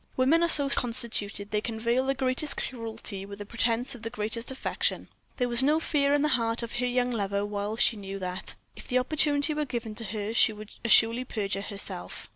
Women are so constituted, they can veil the greatest cruelty with a pretense of the greatest affection. There was no fear in the heart of her young lover, while she knew that, if the opportunity were given to her, she would assuredly perjure herself.